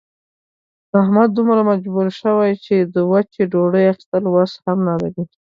احمد دومره مجبور شوی چې د وچې ډوډۍ اخستلو وس هم نه لري.